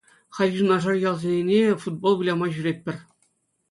Халь юнашар ялсене футбол выляма ҫӳретпӗр.